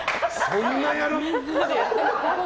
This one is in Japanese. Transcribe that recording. そんなやる？